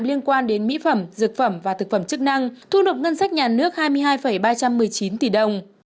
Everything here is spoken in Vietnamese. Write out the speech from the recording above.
liên quan đến mỹ phẩm dược phẩm và thực phẩm chức năng thu nộp ngân sách nhà nước hai mươi hai ba trăm một mươi chín tỷ đồng